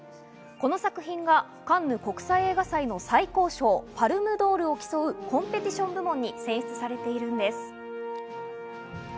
この作品がカンヌ国際映画祭の最高賞パルムドールを競うコンペティション部門に選出されているんです。